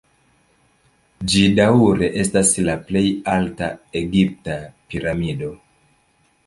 Ĝi daŭre estas la plej alta egipta piramido.